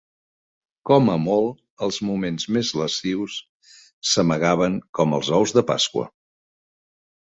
Com a molt, els moments més lascius s'amagaven com els ous de Pasqua.